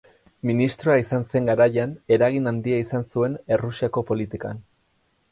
Ministroa izan zen garaian eragin handia izan zuen Errusiako politikan.